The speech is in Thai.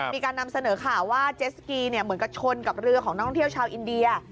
มีการนำเสนอข่าวว่าเจสกีเหมือนกับชนกับเรือของนักท่องเที่ยวชาวอินเดีย